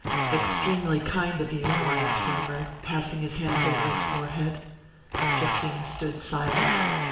"Extremely kind of you," Wyant murmured, passing his hand over his forehead. Justine stood silent.